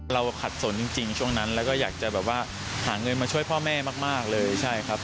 เราขัดสนจริงช่วงนั้นแล้วก็อยากจะหาเงินมาช่วยพ่อแม่มากเลย